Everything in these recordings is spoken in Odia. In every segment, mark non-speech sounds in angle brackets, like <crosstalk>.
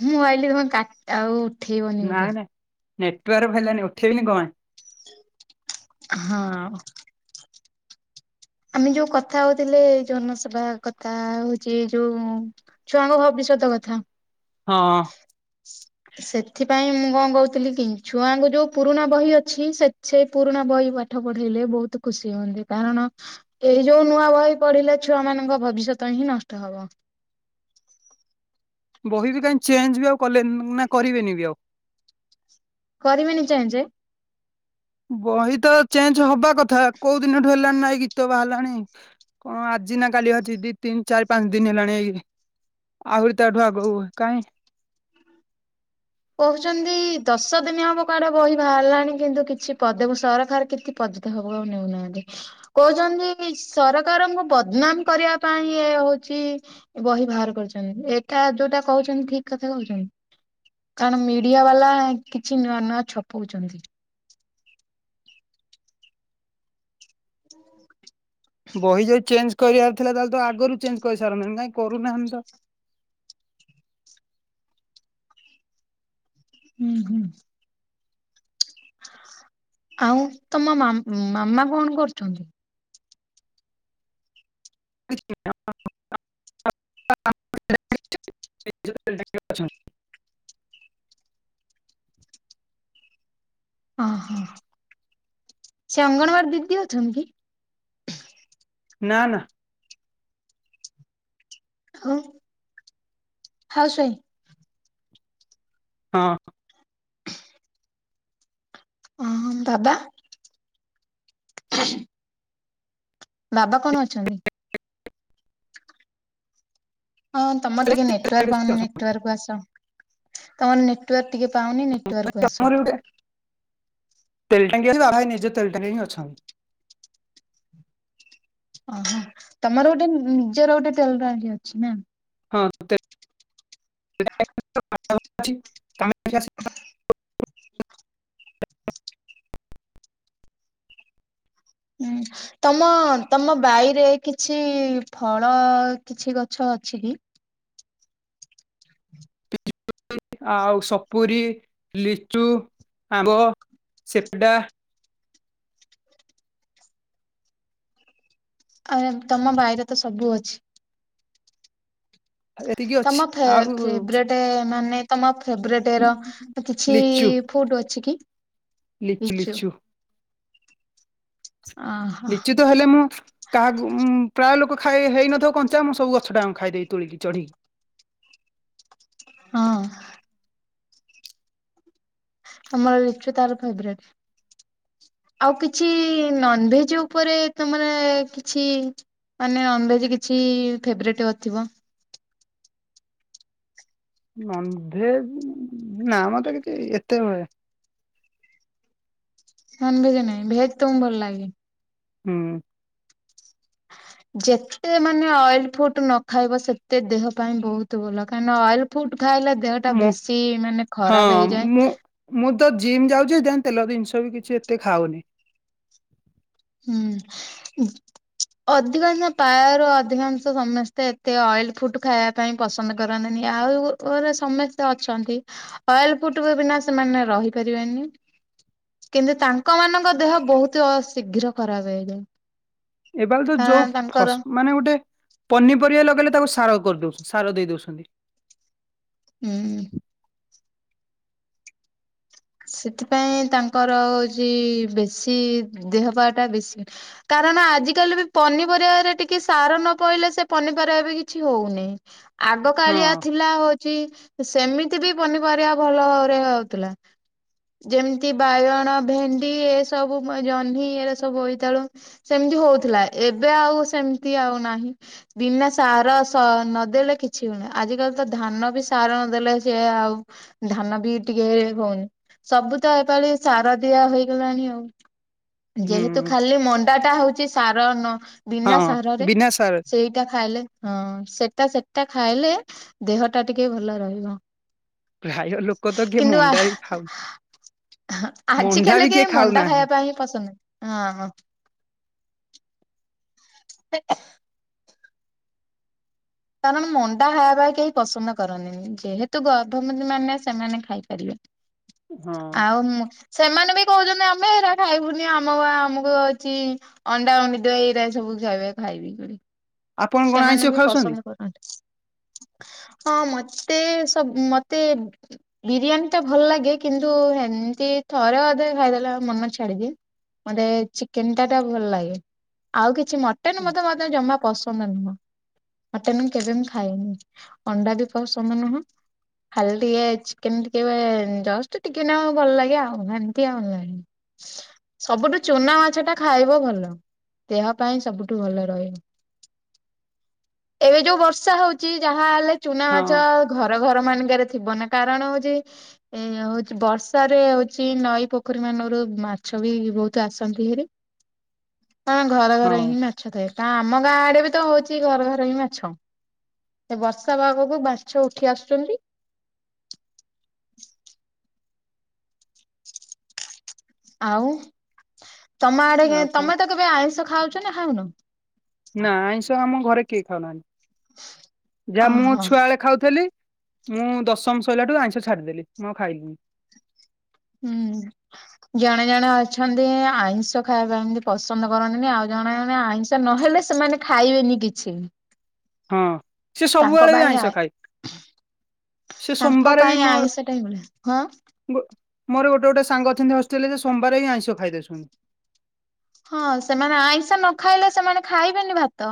ମୁଁ ଆଇଲି ତୋମେ କା- ଆଉ ଉଠେଇବନି ବୋଧେ। ନାଇଁ ନାଇଁ ନେଟୱାର୍କ ହେଲାନି ଉଠେଇବିନି କଣ। ହଁ। ଆମେ ଯୋଉ କଥା ହଉଥିଲେ ଜନସେବା କଥା ହଉଛି ଯୋଉ ଛୁଆଙ୍କୁ ଭବିଷ୍ୟତ କଥା। ହଁ। ସେଥିପାଇଁ ମୁଁ କଣ କହୁଥିଲି କି ଛୁଆଙ୍କୁ ଯୋଉ ପୁରୁଣା ବହି ଅଛି ସେ ସେ ପୁରୁଣା ବହି ପାଠ ପଢେଇଲେ ବହୁତ ଖୁସି ହୁଅନ୍ତି, କାରଣ ଏଇ ଯୋଉ ନୂଆ ବହି ପଢିଲେ ଛୁଆ ମାନଙ୍କ ଭବିଷ୍ୟତ ହିଁ ନଷ୍ଟ ହବ। ବହି ବି କାଇଁ ଚେଞ୍ଜ ବି ଆଉ କଲେନି, ନା କରିବେନି ବି ଆଉ। କରିବେନି ଚେଞ୍ଜ। ବହି ତ ଚେଞ୍ଜ ହବା କଥା, କୋଉ ଦିନଠୁ ହେଲାଣି ନା ଏଇ ଗୀତ ବାହାରିଲାଣି। କଣ ଆଜି ନା କାଲି ଅଛି ଦି ତିିନ୍ ଚାରି ପାଞ୍ଚ ଦିନ୍ ହେଲାଣି ଏଇ ଆହୁରି ତାଠୁ ଆଗ କାଇଁ କହୁଚନ୍ତି ଦଶ ଦିନ ହବ କୁଆଡେ ବହି ବାହାରିଲାଣି କିନ୍ତୁ କିଛି <unintelligible> ସରକାର କିଛି <unintelligible> ଆଉ ନେଉନାହାନ୍ତି। କହୁଚନ୍ତି ସରକାରଙ୍କୁ ବଦନାମ୍ କରିବା ପାଇଁ ଏ ହଉଚି ବହି ଭାର କରିଚନ୍ତି, ଏଟା ଯୋଉଟା କହୁଚନ୍ତି ଠିକ୍ କଥା କହୁଚନ୍ତି? କାରଣ ମିଡିଆ ବାଲା କିଛି ନୂଆ-ନୂଆ ଛପଉଚନ୍ତି। ବହି ଯଦି ଚେଞ୍ଜ କରିବାର ଥିଲା ତାହେଲେ ତ ଆଗରୁ ଚେଞ୍ଜ କରିସାରନ୍ତେଣି କାଇଁ କରୁନାହାନ୍ତି ତ। ହୁଁ-ହୁଁ। ଆଉ ତମ ମାମ୍ ମାମା କଣ କରୁଚନ୍ତି? <inaudible> <inaudible> ଓହୋ, ସେ ଅଙ୍ଗନୱଡ଼ି ଦିଦି ଅଛନ୍ତି କି? ନା-ନା। ଆ, ହଉସ୍ ୱାଇଫ୍? ହଁ। ଅ ହଁ ବାବା। ହ ବାବା କଣ ଅଛନ୍ତି? ହଁ ତମର ଟିକେ ନେଟୱାର୍କ ପାଉନି ନେଟୱାର୍କକୁ ଆସ। ତମର ନେଟୱାର୍କ ଟିକେ ପାଉନି ନେଟୱାର୍କକୁ ଆସ। ତେଲଟାଙ୍କି <inaudible> ଓହୋ, ତମର ଗୋଟେ ନିଜର ଗୋଟେ ତେଲ୍ ଟାଙ୍କି ଅଛି ନା? ହଁ <inaudible> ହୁଁ। ତମ-ତମ ବାଇରେ କିଛି ଫଳ କିଛି ଗଛ ଅଛି କି? ହୁଁ <unintelligible> ଆଉ ସପୁରୀ, ଲିଚୁ, ଆମ୍ବ ସିପେଡ଼ା ଆ ଏ ତମ ବାଇରେ ତ ସବୁ ଅଛି। ଏତିକି ଅଛି। ତମ ଫେ ଆଉ ଫେବ୍ରେଟ୍ <unintelligible> ମାନେ ତମ ଫେବ୍ରେଟ୍ ର କିଛି ଫୁଡ୍ ଅଛି କି? ଲିଚୁ ଲିଚୁ-ଲିଚୁ। ଅ ହ। ତାହେଲେ ମୁଁ କାହାକୁ ପ୍ରାୟ ଲୋକ ଖାଇ ହେଇନଥିବ କଞ୍ଚା ମୁଁ ସବୁ <unintelligible> ଖାଇଦେବି ତୋଳିକି ଚଢିକି। ହଁ। ତମର ଲିଚୁ <unintelligible> ଫେବରେଟ୍। ଆଉ କିଛି ନନଭେଜ୍ ଉପରେ ତମର କିଛି ମାନେ ନନଭେଜ୍ କିଛି ଫେବରେଟ୍ ଅ ଥିବ? ନନଭେଜ୍ ନା ମତେ କିଛି ଏତେ <unintelligible> ନନ୍‌ଭେଜ ନାଇଁ ଭେଜ୍‌ ତମକୁ ଭଲ ଲାଗେ। ହୁଁ। ଯେତ୍ ତେ ଏ ମାନେ ଅଏଲ୍‌ ଫୁଟ୍‌ ନ ଖାଇବ ସେତେ ଦେହ ପାଇଁ ବୋହୁତ୍‌ ଭଲ କାହିଁନା ଅଏଲ ଫୁଟ୍ ଖାଇଲେ ଦେହ ଟା ମୁଁ ଭେଶୀ ମାନେ ହଁ ଖରାପ ମୁଁ ହେଇଯାଏ। ମୁଁ ତ ଜିମ୍ ଯାଉଚି ଦେନ୍‌ ତେଲ ବିନ୍ ଷ ବି କିଛି ଏତେ ଖାଉନି। ହୁଁ। ଅଧିକାଂଶ ପାୟାରୁ ଅଧିକାଂଶ ସମେସ୍ତେ ଏତେ ଅଏଲ ଫୁଟ୍ ଖାଇଆ ପାଇଁ ପସନ୍ଦ କରନ୍ତିନି ଆଉ ଗୁ ଗୁରା ସମେସ୍ତେ ଅଛନ୍ତି। ଅଏଲ୍ ଫୁଟ୍ ବି ବିନା ସେମାନେ ରହି ପାରିବେନି। କିନ୍ତୁ ତାଙ୍କ ମାନଙ୍କ ଦେହ ବହୁତ ଶୀଘ୍ର ଖରାପ୍ ହେଇଯାଏ। ଏବାକୁତ ଯୋଉ କାରଣ ଫସ୍‌ ତାଙ୍କର ମାନେ ଗୋଟେ ପନିପରିବା ଲଗାଇଲେ ତାକୁ ସାର କରୁଦଉସୁ ସାର ଦେଇ ଦଉସନ୍ତି। ହୁଁ। ସେଥିପାଇଁ ତାଙ୍କର ହଉଛି ବେଶୀ ଦେହ ପାଟା ବେଶୀ କାରଣ ଆଜି କାଲି ବି ପନିପରିବାରେ ଟିକେ ସାର ନ ପଇଲେ ସେ ପନିପରିବା ବି କିଛି ହଉନି। ଆଗ ହଁ କାଳିଆ ଥିଲା ହଉଚି ସେମିତି ବି ପନିପରିଆ ଭଲ ଭାବରେ ହଉଥିଲା। ଯେମତି ବାଇଗଣ ଭେଣ୍ଡି ଏ ସବୁ ଉଁ ଜହ୍ନି ଏରା ସବୁ ବୋଇତାଳୁ ସେମିତି ହଉଥିଲା ଏବେ ଆଉ ସେମିତି ଆଉ ନାହିଁ। ବିନା ସାର ସ ନଦେଲେ କିଛି ହୋଉନି ଆଜିିକାଲି ତ ଧାନ ବି ସାର ନଦେଲେ ସେ ଆଉ ଧାନ ବି ଟିକେ ହଉନି। ସବୁ ତ ଏପାଳି ସାର ଦିଆ ହୋଇଗଲାଣି ଆଉ ଯେହେତୁ ହୁଁ ଖାଲି ମନ୍ ଟା ହୋଉଛି ସାର ନ ବିନା ହଁ ସାରରେ ବିନା ସାର ସେଇଟା ଖାଇଲେ ହଁ ସେଟା ସେ ଟା ଖାଇଲେ ଦେହ ଟା ଟିକେ ଭଲ ରହିବ। ପ୍ରାୟ ଲୋକ ତ କିଏ ମଣ୍ଡା ବି ଖାଉ ହ ମଣ୍ଡା ଆଜିକାଲି ବି କିଏ କେଇ ମଣ୍ଡା ଖାଉନାହାନ୍ତି। ଖାଇବା ପାଇଁ ହିଁ ପସନ୍ଦ ନାଇଁ ହଁ। ସେ <inaudible> କାରଣ ମଣ୍ଡା ଖାଇଆ ପାଇଁ କେହି ପସନ୍ଦ କରନ୍ତିନି ଯେହେତୁ ଗର୍ଭବତୀ ମାନେ ସେମାନେ ଖାଇପାରିବେ। ହଁ ଆଉ ମ୍ ସେମାନେ ବି କହୁଚନ୍ତି ଆମେ ଏରା ଖାଇବୁନି ଆମକୁ ଆମୁକୁ ହଉଚି ଅଣ୍ଡା ଅଣ୍ଡି ଦେ ଏଇରା ଏଇ ସବୁ ଖାଇଵା ଖାଇବି କରି। ଆପଣ କଣ ଆଇଁଷି ଖାଉସନ୍ତି? ହଁ ମତେ ସବ ମତେ ବିରିୟାନୀ ଟା ଭଲ ଲାଗେ କିନ୍ତୁ ଏମ୍ ତି ଥରେ ଅଧେ ଖାଇଦେଲେ ମନ ଛାଡିଦିଏ। ମୋତେ ଚିକେନ ଟା ଟା ଭଲ ଲାଗେ ଆଉ କିଛି ମଟନ ହଁ ମତେ ମତେ ଜମା ପସ ତମେ ନୁହଁ ମଟନ କେବେ ମୁଁ ଖାଏନି ଅଣ୍ଡା ବି ପସନ୍ଦ ନୁହଁ। ଖାଲି ଟିକେ ଚିକେନ ଟିକେ ଜଷ୍ଟ ଟିକିଏ ନାଗୁ ଭଲ ଲାଗେ ଆଉ ଏମତି ଆଉ ନୁହେଁ। ସବୁଠୁ ଚୁନା ମାଛ ଟା ଖାଇବ ଭଲ ଦେହ ପାଇଁ ସବୁଠୁ ଭଲ ରହିବ। ଏବେ ଯୋଉ ବର୍ଷା ହଉଚି ଯାହା ହେଲେ ଚୁନା ମାଛ ଘର ଘର ମାନଙ୍କେରେ ଥିବ ନା କାରଣ ହୋଉଚି ଉଁ ଏ ହଉଚି ବର୍ଷାରେ ହଉଚି ନଈ ପୋଖରୀ ମାନରୁ ମାଛ ବି ବହୁତ ଆସନ୍ତି ହେରି। ହଁ ଘର ଘର ହଁ ହିଁ ମାଛ ଥାଏ ତା ଆମ ଗାଁ ଆଡେ ବି ତ ହଉଛି ଘର ଘର ହିଁ ମାଛ ସେ ବର୍ଷା ପାଗକୁ ମାଛ ଉଠି ଆସୁଚନ୍ତି। ଆଉ ତମ ଆଡ଼େ କେ ଆଉ କଣ ତମେ ତ କେବେ ଆଇଁଷ ଖାଉଚ ନା ଖାଉନ? ନା ଆଇଁଷ ଆମ ଘରେ କିହି ଖାଉନାହାନ୍ତି ଯାହା ମୁଁ ଓହୋ ଛୁଆ ଏଳେ ଖାଉଥିଲି। ମୁଁ ଦଶମ ଶଇଲାଠୁ ଆଇଁଷ ଛାଡ଼ିଦେଲି ମୁଁ ଆଉ ଖାଇଲିିନି। ହୁଁ। ଜଣେ ଜଣେ ଅଛନ୍ତି ଆଇଁଷ ଖାଇବା ଏମିତି ପସନ୍ଦ କରନ୍ତିନି ଆଉ ଜଣେ ଜଣେ ଆଇଁଷ ନହେଲେ ସେମାନେ ଖାଇବେନି କିଛି। ହଁ ସେ ତାଙ୍କ ସବୁବେଳେ ବି ପାଇଁ ଆଇଁଷ ଆଇଁ ଖାଇ ତାଙ୍କ ପାଇଁ ଆଇଁଷଟା ହିଁ ଭଲ ହଁ। ମୋର ଗୋଟେ ଗୋଟେ ସାଙ୍ଗ ଅଛନ୍ତି ହଷ୍ଟେଲରେ ଯେ ସୋମବାର ବି ଆଇଁଷ ଖାଇ ଦଉଛନ୍ତି। ହଁ ସେମାନେ ଆଇଁଷ ନ ଖାଇଲେ ସେମାନେ ଖାଇବେନି ଭାତ।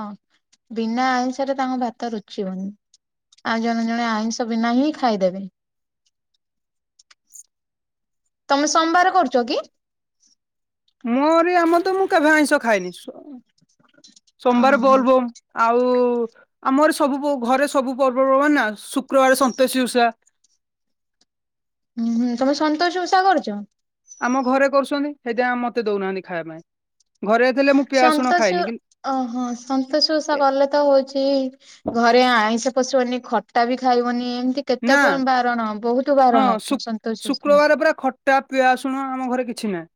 ବିନା ଆଇଁଷରେ ତାଙ୍କୁ ଭାତ ରୁଚିବନି। ଆଉ ଜଣେ ଜଣେ ଆଇଁଷ ବିନା ହିଁ ଖାଇଦେବେ। ତମେ ସୋମବାର କରୁଚ କି? ମୋରି ଆମର ତ ମୁଁ କେବେ ଆଇଁଷ ଖାଏନି ସୋମବାର ଅହ ବୋଲ୍ ବୋମ୍। ଆଉ ଆମର ସବୁ ଘରେ ସବୁ ପର୍ବପର୍ବାଣି ନା ଶୁକ୍ରବାର ସନ୍ତୋଷୀ ଓଷା। ହୁଁ ହୁଁ ତମେ ସନ୍ତୋସି ଓଷା କରୁଚ? ଆମ ଘରେ କରୁଛନ୍ତି ସେଇତି ଆ ମତେ ଦଉନାହାନ୍ତି ଖାଇବା ପାଇଁ। ଘରେ ଥିଲେ ମୁଁ ପିଆଜସୁଣ ସନ୍ତୋଷି ଖାଏନି କିନ୍ତୁ ଓହୋ ସନ୍ତୋଷି ଓଷା କଲେ ତ ହୋଉଚି ଘରେ ଆଇଁଷ ପଶିବନି ଖଟା ବି ଖାଇବନି ଏମିତି କେତେ ନା କଣ ବାରଣ ବୋହୁତ ହଁ ବାରଣ ଶୁ ସନ୍ତୋସି ଓଷା। ଶୁକ୍ରବାର ପୁରା ଖ ଟା ପିଆଶୁଣ ଆମ ଘରେ କିଛି ନାହିଁ।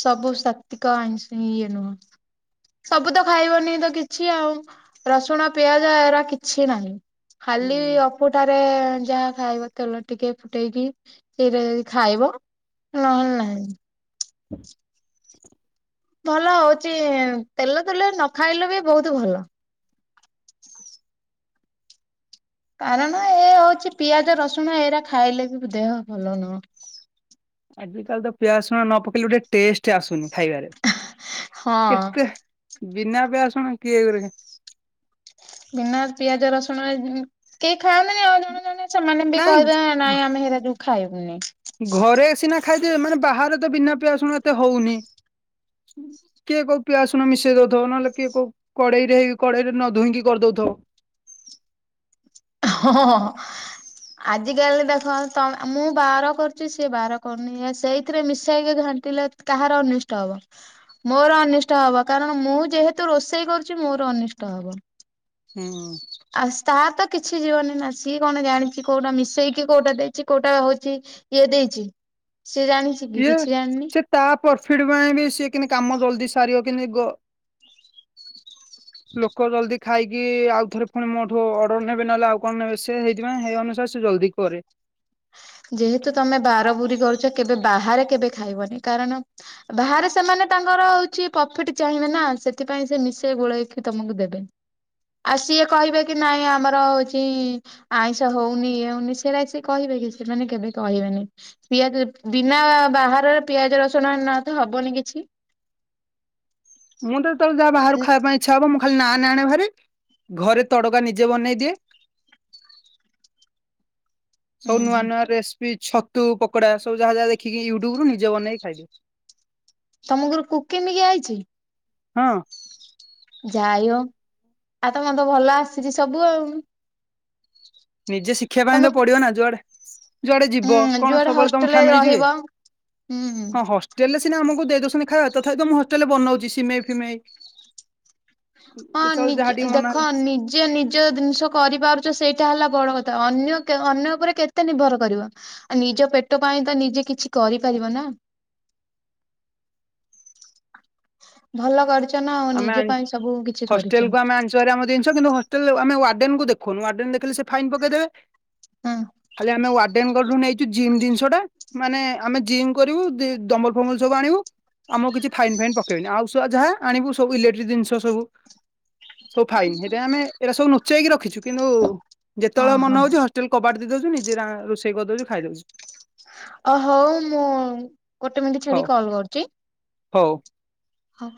ସବୁ ଶକ୍ତିକ ଆଇଁଷ ଇଏ ନୁହଁ। ସବୁ ତ ଖାଇବନି ତ କିଛି ଆଉ ରସୁଣ ପିଆଜ ଏରା କିଛି ନାହିଁ। ଖାଲି ଅ କୁଠାରେ ଯାହା ଖାଇବ ତେଲ ଟିକେ ଫୁଟେଇକି ସେଇରା ଯଦି ଖାଇବ। ନହେଲେ ନାହିଁ। ହଁ ଭଲ ହଉଛି ତେଲ ତେଲେ ନ ଖାଇଲେ ବି ବହୁତ ଭଲ। କାରଣ ଏ ହଉଛି ପିଆଜ ରସୁଣ ଏଇରା ଖାଇଲେ ବି ଦେହ ଭଲ ନୁହଁ। ଆଜି କାଲି ତ ପିଆ ଶୁଣ ନ ପକେଇଲେ ଗୋଟେ ଟେଷ୍ଟ ଆସୁନି ଖାଇବାରେ ହଁ କେତେ ବିନା ପିଆଜ ରସୁଣ କିଏ ଏଗୁରା ବିନା ପିଆଜ ରସୁଣରେ କେହି ଖାଉନାଇଁ ଆଉ ଜଣେ ଜଣେ ସେମାନେ ବି ନାଇଁ କହିବେ ନାଇଁ ଆମେ ହେରା କେଇ ଖାଇବୁନି। ଘରେ ସିନା ଖାଇଦେବେ ମାନେ ବାହାରେ ତ ବିନା ପିଆ ଶୁଣ ଏତେ ହଉନି। କିଏ କୋଉ ପିଆ ଶୁଣ ମିଶେଇ ଦଉଥ ନହେଲେ କିଏ କୋଉ କଡ଼େଇରେ ହେଇ କଡ଼େଇରେ ନ ଧୋଇଁକି କରିଦଉଥବ। ହଁ ହଁ। ଆଜିକାଲି ଦେଖ ତ ମୁଁ ବାର କରୁଛି ସିଏ ବାର କରୁନି ଏ ସେଇଥିରେ ମିଶେଇକି ଘା ଟିଲେ କାହାର ଅନିଷ୍ଟ ହବ? ମୋର ଅନିଷ୍ଟ ହବ କାରଣ ମୁଁ ଯେହେତୁ ରୋଷେଇ କରୁଚି ମୋର ଅନିଷ୍ଟ ହବ। ହୁଁ। ଆସ୍ ତାତ କିଛି ଯିବନି ନା ସିଏ କଣ ଜାଣିଛି କୋଉଟା ମିଶେଇକି କୋଉଟା ଦେଇଛି କୋଉଟା ହୋଉଚି କିଏ ଦେଇଚି? ସିଏ ଜାଣିଚି। ପିଅ ସେତ୍ ତା ପର୍ଫିଟ୍ ପାଇଁ ବି ସିଏ, କିଁତି କାମ ଜଲ୍ଦି ସାରିବ, କିନ୍ତି ଗ ଲୋକ ଜଲ୍ଦି ଖାଇକି ଆଉ ଥରେ ପୁଣି ମୋଠୁ ଅର୍ଡର ନେବେ, ନହେଲେ ଆଉ କଣ ନେବେ ସେ? ହେଇଥିପାଇଁ ହେଇ ଅନୁସାରେ ସେ ସେ ଜଲ୍ଦି କରେ। ଯେହେତୁ ତମେ ବାରା ବୁରୀ କରୁଛ! କେବେ ବାହାରେ କେବେ ଖାଇବନି? କାରଣ ବାହାରେ ସେମାନେ ତାଙ୍କର ହଉଛି, ପ୍ରଫିଟ୍ ଚାହିଁବେ ନା। ସେଥିପାଇଁ ସେ ମିଶେଇ ଗୋଳେଇକି ତମକୁ ଦେବେ। ଆଉ ସିଏ କହିବେ କି ନାଇଁ ଆମର ହଉଚି-ଇ ଆଇଁଷ ହଉନି, ଇଏ ହଉନି, ସେଇରା ସେ କହିବେ କି ସେମାନେ କେବେ କହିବେନି? ପିଆଜ ବିନା ବାହାରର ପିଆଜ ରସୁଣ ନ ତ ହବନି କିଛି? ମୁଁ ତ ଯେତେବେଳେ ଯାହା ବାହାରାରୁ ହୁଁ ଖାଇବା ପାଇଁ ଇଚ୍ଛା ହବ ମୁଁ, ଖାଲି ନାନ୍ ଆଣେ ଭାରି। ଘରେ ତଡ଼କା ନିଜେ ବନେଇଦିଏ। ସବୁ ନୂଆ ହୁଁ ନୂଆ ରେସ୍ପି ଛତୁ ପକୋଡା, ସବୁ ଯାହା ଯାହା ଦେଖିକି ୟୁଟ୍ୟୁବରୁ ନିଜେ ବନେଇକି ଖାଇଦିଏ। ତମ କୁରୁ କୁକିମିକି ଆଇଚି? ହଁ। ଯାଇଓ! ଆଉ ତମ ତ ଭଲ ଆସିଛି ସବୁ ଆଉ। ନିଜେ ଶିଖିବା ପାଇଁ ତ ତମେ ପଡିବ ନା, ଯୁଆଡେ ଯୁଆଡେ ହୁଁ ଯିବ? କଣ ଯୁଆଡେ ସବୁବେଳେ ତମ ହଷ୍ଟେଲରେ ଫ୍ୟାମିଲି ଯିବେ? ରହିବ ହୁଁ। ହଁ ହଷ୍ ଟେଲେ ସିନା ଆମକୁ ଦେଇ ଦଉସନ୍ତି ଖାଇବା, ତଥାପି ତ ମୁଁ ହଷ୍ଟେଲରେ ବନଉଛି, ସିମେଇ ଫିମେଇ ହଁ, ଯେତେବେଳେ ଯାହା ନିଜ ଟିକେ ମନ ଦେଖ ହେଲା ନିଜ୍ ଯିଏ ନିଜ ଦିନିଷ କରିପାରୁଛ, ସେଇଟା ହେଲା ବଡ କଥା। ଅନ୍ୟ ଅନ୍ୟ ଉପରେ କେତେ ନିର୍ଭର କରିବ? ଆ ନିଜ ପେଟ ପାଇଁ ତ ନିଜେ କିଛି କରିପାରିବ ନା? ଭଲ କରିଛ ନା ଆଉ, ଆମେ ନିଜ ଆଣି ପାଇଁ ସବୁ କିଛି ହଷ୍ଟେଲ କରିଚ। <unintelligible> ଆମ ଜିନିଷ କିନ୍ତୁ ହଷ୍ଟେଲ୍ ଆମେ ୱାଡେନକୁ ଦେଖୁନୁ। ୱାଡେନକୁ ଦେଖେଲେ, ସେ ଫାଇନ୍ ପକେଇ ଦେବେ। ହଁ ଖାଲି ଆମେ ୱାର୍ଡେନ କଠୁ ନେଇ ଜିମ୍ ଦିନିଷ ଟା, ମାନେ ଆମେ ଜିମ୍ କରିବୁ, ଦି-ଦମ୍ବଲ୍ ଫମ୍ବଲ୍ ସବୁ ଆଣିବୁ। ଆମକୁ କିଛି ଫାଇନ୍ ଫାଇନ୍ ପକେଇବନି। ଆଉ ସ ଯାହା ଆଣିବୁ ସବୁ ଇଲେକ୍ଟ୍ରି ଦିନିଷ ସବୁ। ସବୁ ଫାଇନ୍। ହେଥିପାଇଁ ଆମେ ଏରା ସବୁ ନୁଚେଇକି ରଖିଛୁ। କିନ୍ତୁ ଯେତେବେଳେ ଓହୋ ମନ ହଉଛି ହଷ୍ ଟେଲ୍ କବାଟ ଦେଇ ଦଉଛୁ, ନିଜେ ରାଁ -ରୋଷେଇ କରିଦଉଚୁ, ଖାଇଦଉଚୁ। ଅ ହଉ ମୁଁ ଗୋଟେ ମିନ୍ଟି ହଉ ଛାଡିକି କଲ୍ କରୁଛି। ହଉ। ହ।